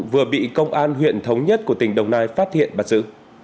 vừa bị công an huyện thống nhất của tỉnh đồng nai phát hiện bắt giữ